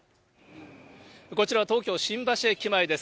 こちらは東京・新橋駅前です。